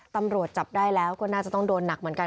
ตำรวจจับได้แล้วก็น่าจะต้องโดนหนักเหมือนกัน